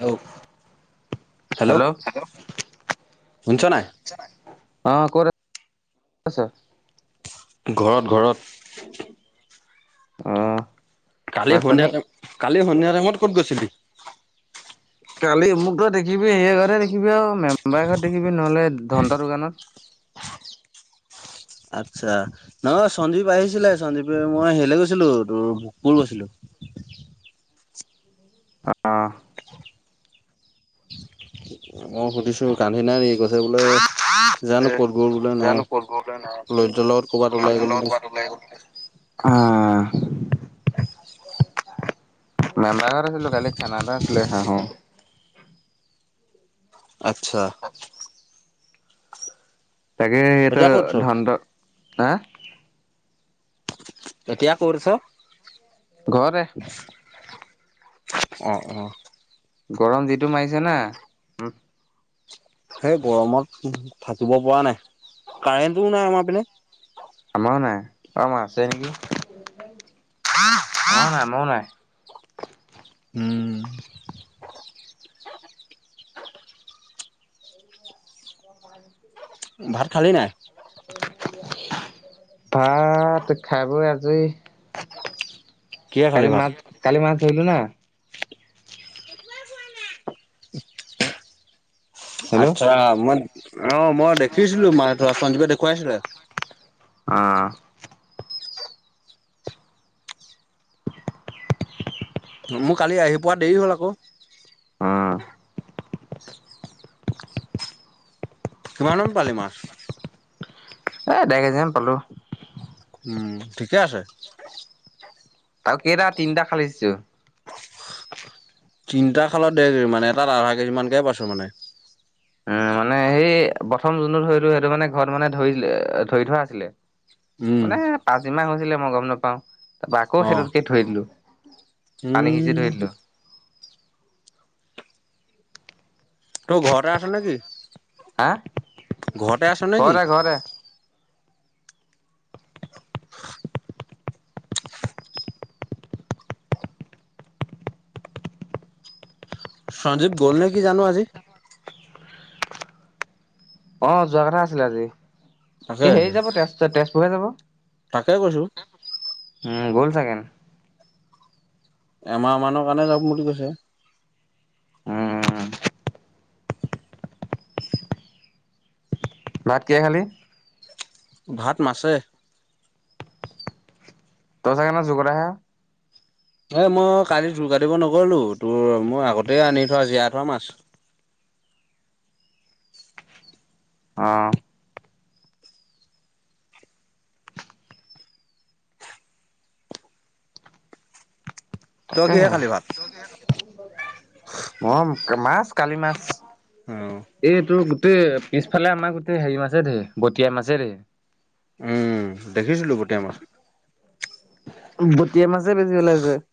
Hello hello শুনিছ নাই? [unintelligible] অ কত, আছ? ঘৰত, ঘৰত। অহ কালি সন্ধিয়া টাইম, কালি সন্ধিয়া টাইমত ক'ত গৈছিলি? কালি মোক তই দেখিবি সেইয়াতে দেখিবি আৰু মেম্বাৰ ঘৰত দেখিবি নহ'লে ধনদাৰ দোকানত। [unintelligible] আচ্ছা, নহয় সঞ্জীৱ আহিছিলে সঞ্জীৱে মই হেৰিলে গৈছিলোঁ তোৰ ভোকপুৰ গৈছিলোঁ। [inaudible] অহ। মই সুধিছো গান্ধী নাই নেকি? কৈছে বোলে জানোঁ ক'ত গ'ল বোলে। ন' লইজৰ লগত কৰ'বাত ওলাই গলোঁ বুলি কৈছে। আঁহ। মেম্বাৰ ঘৰত আছিলোঁ। কালি খানা এটা আছিলে হাঁহো আচ্ছা। তাকে সিহটোৱে এতিয়া ক'ত আছ? ধন্ত- হা? এতিয়া ক'ত আছ'? ঘৰতে। অঁ অঁহ। গৰম যিটো মাৰিছে না। ওম সেই গৰমত থাকিব পৰা নাই। কাৰেণ্টটো নাই আমাৰ পিনে। আমাৰো নাই। অ' আমাৰ আছে নেকি? আমাৰো নাই মোৰ নাই। হুম [unintelligible] ভাত খালি নাই? ভাত, খাই-বই আজৰি। কিহে খালি কালি মা, ভাত? কালি মাছ ধৰিলি না? হেল্ল' আচ্ছা। মই, অ মই দেখিছিলো মাছ ধৰা। সঞ্জীৱে দেখুৱাইছিলে। অঁ। মোৰ কালি আহি পোৱা দেৰি হ'ল আকৌ। অ কিমানম পালি মাছ? এ, দেৰ কেজি মান পালো। উম, ঠিকে আছে। তাৰো কেইটা তিনিটা খালৈ দিছোঁ। তিনিটা খালত দেৰ কেজি মানে এটাত আধা কেজি মানকে পাইছ' মানে? উম মানে সেই প্ৰথম যোনটো ধৰিলো সেইটো মানে ঘৰত মানে ধৰি, ধৰি থোৱা আছিলে। উম মানে পাচদিমাহ হৈছিলে মই গম নাপাওঁ। তাৰপৰা আকৌ অ সেইটোতকে থৈ দিলো। পানী সিঁচি উম ধৰি দিলোঁ। [unintelligible] ত‌ই ঘৰতে আছ নেকি? হা [inaudible] ঘৰতে আছ নেকি? ঘৰতে ঘৰতে। সঞ্জীৱ গ'ল নে কি জানো আজি। অ যোৱা কথা আছিলে আজি তাকে সি হেৰি যাব তেজুৰ তেজপুৰহে যাব। তাকে কৈছোঁ উম গ'ল চাগে [inaudible] [unintelligible] এমাহ মানৰ কাৰণে যাম বুলি কৈছে। [inaudible] উম, [unintelligible] ভাত কিহে খালি? [inaudible] [unintelligible] ভাত মাছে [inaudible] [unintelligible] ত‌ই চাগে ন জুগৰা হে [inaudible] [unintelligible] এ মই কালি জোৰ কাটিব নগলো তোৰ মোৰ আগতে আনি থোৱা জীয়াই থোৱা মাছ [inaudible] [inaudible] আহ [unintelligible] তই কিহে তাকেহে খালি ভাত [unintelligible] মই মাছ [inaudible] কালি মাছ অ [unintelligible] এইটো [inaudible] [unintelligible] গোটেই পিছফালে আমাৰ গোটেই হেৰি মাছে ধেই বতিয়া মাছে ধেই [inaudible] [unintelligible] উম দেখিছিলো বতিয়া মাছ [inaudible] [unintelligible] বটিয়া মাছে বেছি ওলাইছে [inaudible]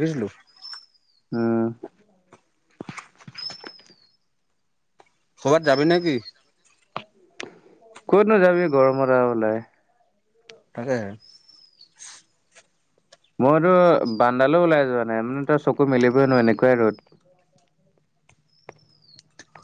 [unintelligible] দেখিছিলোঁ [inaudible] উম [unintelligible] [unintelligible] কবাত যাবি নেকি? [inaudible] [unintelligible] ক'ত নো যাবি গৰমত নো ওলাই [inaudible] [unintelligible] তাকেহে [inaudible] মইতো বান্দালো ওলাই যোৱা নাই উম চকু মেলিবই নোৱাৰি এনেকুৱাই ৰ'দ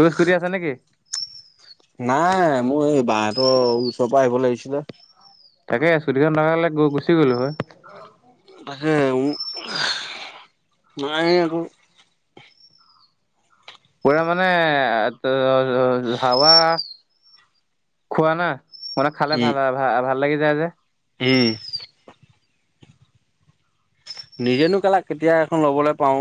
তোৰ স্কুটি আছে নেকি? নাই মোৰ এই বাহঁতৰ ওচৰৰ পৰা আহিব লাগিছিলে। তাকে স্কুটিখন থকা হ'লে গুচি গলো হয়। তাকে। নাই আকৌ। পৰা মানে, হাৱা খোৱা নাই মানে খালে উম ভাল-ভাল লাগি যায় যে [inaudible] উম [unintelligible] নিজেনো কেলা কেতিয়া এখন ল'বলৈ পাওঁ।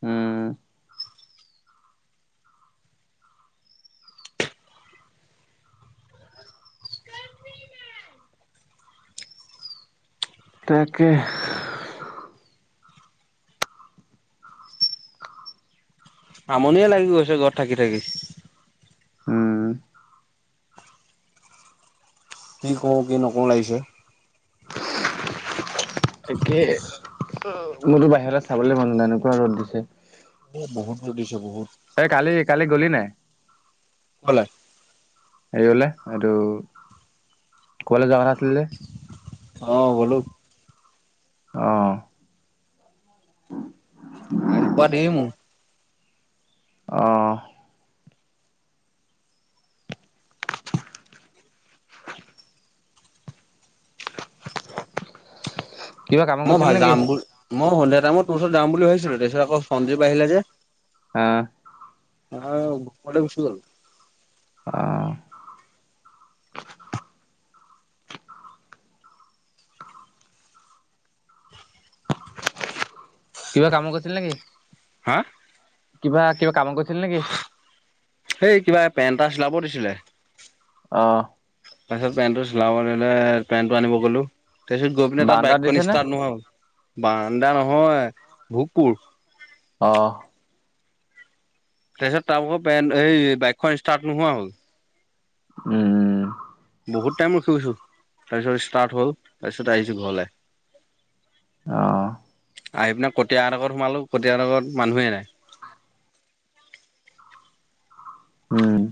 উম। তাকে আমনিয়ে লাগি গৈছে ঘৰত থাকি-থাকি উম। কি কওঁ কি নকওঁ লাগিছে। একেই মইতো বাহিৰলৈ চাবলে মন নাই এনেকুৱা ৰ'দ দিছে। এ বহুত ৰ'দ দিছে বহুত। এই কালি-কালি গ'লি নাই কলে হেৰি অলে সেইটো কৰবালে যোৱা কথা আছিলে। যে? অ গলো অহ আহি পোৱা দেৰি মোৰ। অহ কিবা কামত মই ভা গৈছিলি নেকি? যাম বুলি মই সন্ধিয়া টাইমত তোৰ ওচৰত যাম ভাবছিলো তাৰপিছত আকৌ সঞ্জীপ আহিলে যে। আহ নহয় ঘৰলে গুচি গ'ল [unintelligible] অহ কিবা কামত গৈছিলি নেকি হা কিবা কিবা কামত গৈছিলি নেকি হেই কিবা পেণ্ট এটা চিলাব দিছিলে অহ তাৰছত পেণ্টটো চিলাব দিলে পেণ্টটো আনিব গলো তাৰপিছত গৈ পিনে তাত বাৰাণ্ডাত বাইকখন দিছে নে? ষ্টাৰ্ট নহ'ল বান্দা নহয় ভোকপুৰ অহ তাৰপিছত তাৰ ভাগৰ পেণ্ট এই বাইকখন ষ্টাৰ্ট নোহোৱা হ'ল উম। বহুত টাইম ৰখিছো তাৰপিছত ষ্টাৰ্ট হল তাৰপিছত আহিছো ঘৰলে অহ আহি পিনে কটীয়াহতৰ ঘৰত সোমালো কটিয়াহতৰ ঘৰত মানুহে নাই উম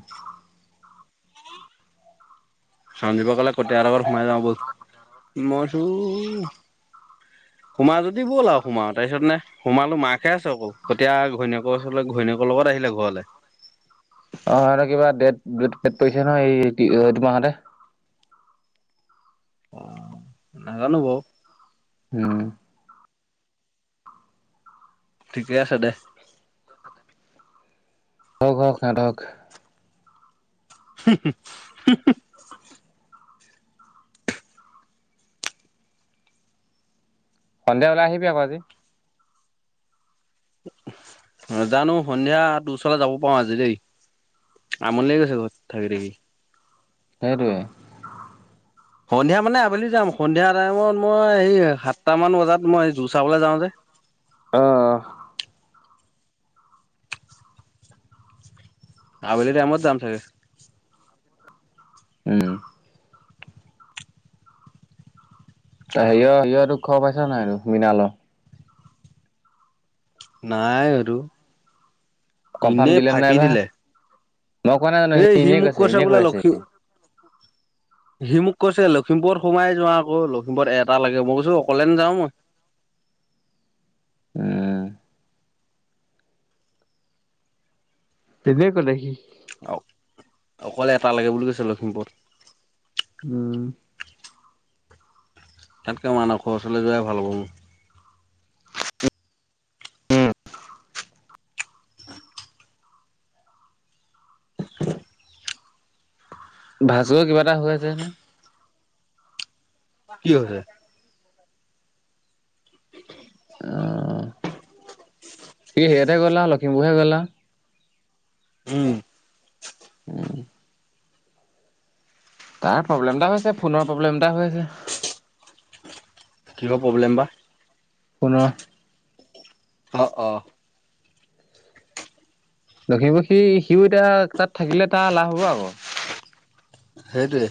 সঞ্জিব কলে কতিয়া হতৰ ঘৰত সোমাই যাওঁ ব'ল মই কৈছো সোমা যদি ব'ল আৰু সোমালো তাৰপিছত মানে সোমালো মাকে আছে অকল কতিয়া ঘৈণীয়েকৰ ওচলে ঘৈণীয়েকৰ লগত আহিলে ঘৰলে অ হেতৰ কিবা ডেট ডেট পৰিছে নহয় এই এইটো মাহতে অ নাজানো বাও উম ঠিকে আছে দে। হওক হওক হেত হক হুমহু হুমহু সন্ধিয়া হলে আহিবি আক আজি। জানো সন্ধিয়া তো ওচৰলৈ যাব পাৰো আজি দেই আমনি লাগি গৈছে ঘৰত থাকি থাকি সেইটোৱে সন্ধিয়া মানে আবেলি যাম সন্ধিয়া টাইমত মই সেই সাতটা মান বজাত মই যো চাবলৈ যাওঁ যে অহ অহ আবেলি টাইমত যাম চাগে উম ত সিহঁৰ সিহঁতৰতো খবৰ পাইছ নাই মৃণালৰ নাই সেটো কনফাৰ্ম ইনে নাই ফাঁকি বা? দিলে মই কোৱা নাই জানো এই সি এনেই মোক কৈছে এনেই কৈ বোলে আছে লক্ষী সি। সি মোক কৈছে লখিমপুৰত সোমাই যোৱা আকৌ লখিমপুৰত এটা লাগে মই কৈছো অকলে নাযাও মই [inaudible] উম এনেই কলে সি অ অকলে এটা লাগে বুলি কৈছে লখিমপুৰত উম তাতকৈ মানসৰ ওচৰলৈ যোৱাই ভাল হব মোৰ উম [unintelligible] ভাস্কৰ কিবা এটা হৈ আছে হেনো কি হৈছে অ', কুম্ভমেলা উম উম, তাৰ প্ৰব্লেম এটা হৈছে ফোনৰ প্ৰব্লেম এটা হৈ আছে কিহৰ প্ৰব্লেম বা ফোনৰ অ অ দক্ষিম পক্ষী সিও এতিয়া তাত থাকিলে তাৰ লাভ হ'ব আক সেইটোয়ে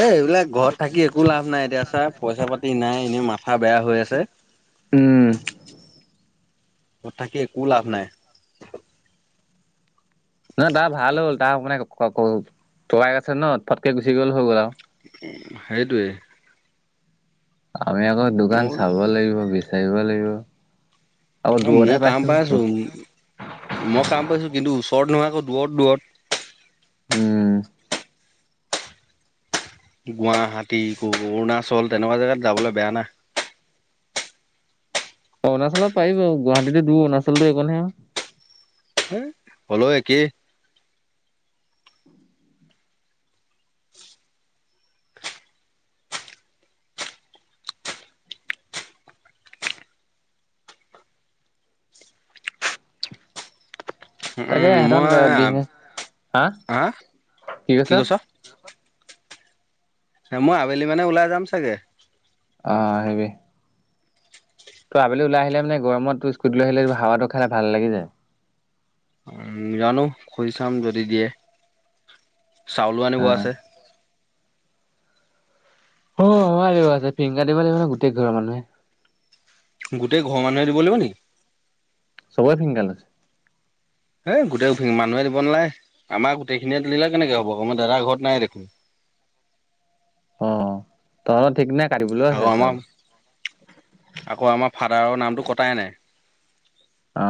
এ এইবিলাক ঘৰত থাকি একো লাভ নাই এতিয়া চাৰ পইচা পাতি নাই এনেই মা বেয়া হৈ আছে উম ঘৰত থাকি একো লাভ নাই নহ তাৰ ভাল হ'ল তাৰ মানে ককায়েক আছে ন ফটকে গুচি গ'ল হৈ গ'ল আৰু সেইটোৱেই আমি আকৌ দোকান চাব লাগিব বিচাৰিব লাগিব আকৌ অ মোৰ দূৰতহে পাইছো কাম পাইছোঁ মই কাম পাইছো কিন্তু ওচ ওচৰত নহয় আক দূৰত দূৰত উম গুৱাহাটী কৰ অৰুণাচল তেনেকুৱা জেগাত যাবলৈ বেয়া না অৰুণাচলত পাৰিব বাৰু গুৱাহাটীতো দূৰ অৰুণাচলতো এই কনহে আও হে হলেও একেই তাকে উম মই সিহঁতৰ বিজনেছ হা কি কৈছ মই আবেলি মানে ওলাই যাম চাগে অ হেৰি ত' আবেলি ওলাই আহিলে মানে গৰমত স্কুটি লৈ আহিলে হাৱাটো খাই ভাল লাগি যায় উ জানো খুজি চাম যদি দিয়ে চাউলো আনিব অ' আছে অ আমাৰো দিব আছে ফিংগাৰ দিব লাগিব নহয় গোটেই ঘৰৰ মানুহে গোটেই ঘৰ মানুহে দিব লাগিব নি। চবৰে ফিংগাৰ লৈছে। হেই গোটেই মানুহে দিব নালাগে আমাৰ গোটেইখিনিয়ে দিলে কেনেকে হ'ব আকৌ আমাৰ দাদা ঘৰত নাই দেখোন [inaudible] অ তহঁতৰ ঠিক নাই কাটিবলেও আকৌ আছে আমাৰ চাউল আকৌ আমাৰ ফাদাৰৰ নামটো কটাই নাই অ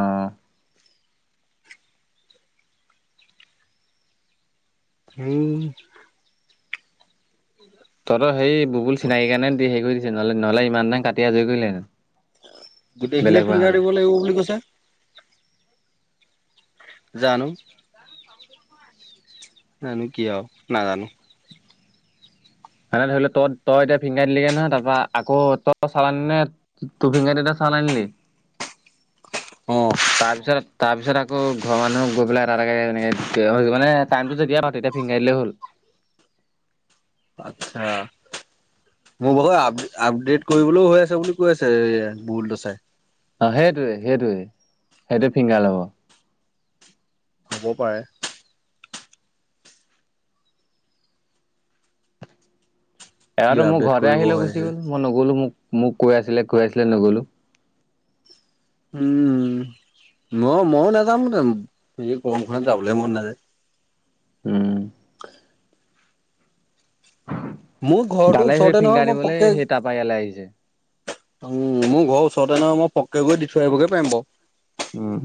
উম তই সেই বুবুল চিনাকি কাৰণে দি হেৰি কৰি দিছে নহ'লে নহলে ইমান টাইম গোটেইখিনিয়ে বেলেগ হোৱা ফিংগাৰ হ'লে দিব লাগিব বুলি কৈছে। জানো জানো কিয় নাজানো? মানে ধৰি লওঁ তই তই এতিয়া ফিংগাৰ দিলেগে নহয় তাৰ পৰাৰা আকৌ তই চালানি নে তোৰ ফিংগাৰ দি চ চাউল আনিলি [unintelligible] অ' তাৰপিছত তাৰপিছত আকৌ ঘৰ মানুহ গৈ পেলাই এটা এটাকে মানে চাইনটো যে দিয়ে তেতিয়া ফিং গাৰ দিলেই হল অহ মোৰ ভাগৰ আপ আপডেট কৰিবলৈও হৈ আছে বুলি কৈ আছে বোলটো চাই অ সেইটোৱে সেইটোৱেই সেইটো ফিংগাৰ ল'ব হ'ব পাৰে। কি এ মোৰ আপডেট ঘৰতে কৰিব আহি লৈ হৈ গুচি আছে। গ'ল মই নগলো মোক মোক কৈ আছিলে কৈ আছিলে নগলো উম ম ময়ো নাযাম গৰমখনত যাবলৈ মন নাযায়। উম মোৰ ঘৰটো তালে সেই ওচৰতে ফিংগাৰ নহয় মই দিবলৈ পককে সেই তাৰপা ইয়ালৈ আহিছে। উম মোৰ ঘৰৰ ওচৰতে নহয় মই পককে গৈ দি থৈ আহিবগে পাৰিম বাৰু। উম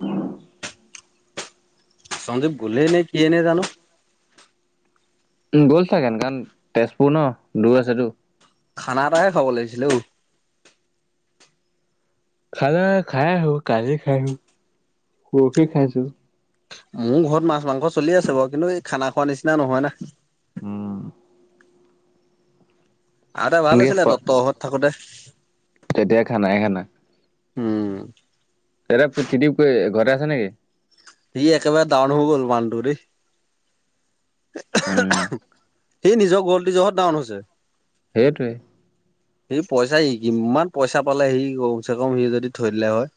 উ সঞ্জীৱ গলেই নে কিয়ে জানো। উ গ'ল চাগে কাৰণ তেজপুৰ ন দূৰ আছেতো। খানা এটাহে খোৱাব লাগিছিলে ও। খানা খাই আহো কালি খাই আহো পৰখি খাইছোঁ। মোৰ ঘৰত মাছ মাংস চলি আছে বাৰু কিন্তু এই খানা খোৱা নিচিনা নহয় না। উম আগতে ভাল আছিলে দত্ত ঘৰত থাকোতে। তেতিয়া খানাই খানা। উম এতিয়া পিকিটিপ কৈ ঘৰতে আছি নেকি? সি একেবাৰে ডাউন হৈ গ'ল মানুহটো। উম কলটি জহত ডাউন হৈছে। সেইটোৱে। সি পইচা সি কিমান পইচা পালে সি কম চে কম সি যদি থৈ দিলে হয়।